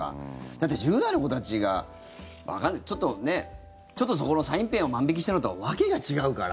だって、１０代の子たちがちょっとそこのサインペンを万引きしたのとは訳が違うから。